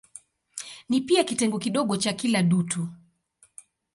Ni pia kitengo kidogo cha kila dutu.